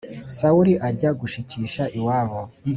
sawuli ajya gushikisha i wabo